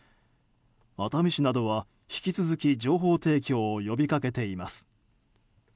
熱海市などは引き続き情報提供を呼びかけています。